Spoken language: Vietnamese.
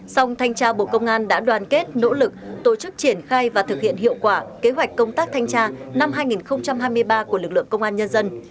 song thanh tra bộ công an đã đoàn kết nỗ lực tổ chức triển khai và thực hiện hiệu quả kế hoạch công tác thanh tra năm hai nghìn hai mươi ba của lực lượng công an nhân dân